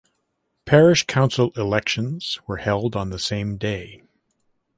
Parish council elections were held on the same day.